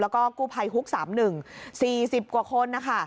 แล้วก็กู้ภัยฮุกสามหนึ่ง๔๐กว่าคนนะคะ